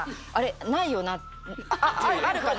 ないよな？